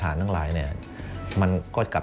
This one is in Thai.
กระแสรักสุขภาพและการก้าวขัด